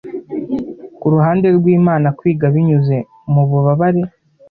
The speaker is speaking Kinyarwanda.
kuruhande rwImana kwiga binyuze mububabare